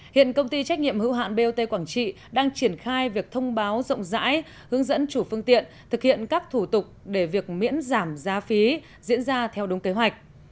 hiện công ty trách nhiệm hữu hạn bot quảng trị đang triển khai việc thông báo rộng rãi hướng dẫn chủ phương tiện thực hiện các thủ tục để việc miễn giảm giá phí diễn ra theo đúng kế hoạch